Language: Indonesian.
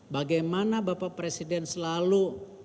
bagaimana bapak presiden selalu